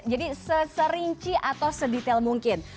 jadi serinci atau sedetail mungkin